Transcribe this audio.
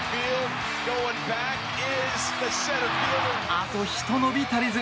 あとひと伸び足りず。